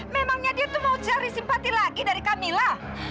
memangnya dia tuh mau cari simpati lagi dari kamila